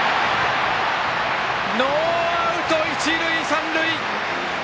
ノーアウト、一塁三塁！